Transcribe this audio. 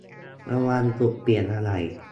ระวังถูกเปลี่ยนอะไหล่